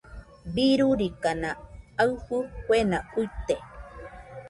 Birurikana aɨfo kuena uite.